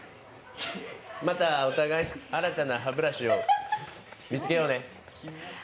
またお互い新たな歯ブラシを見つけようね。